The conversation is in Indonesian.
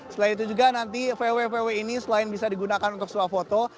selain itu juga nanti vw vw ini selain bisa digunakan untuk suah foto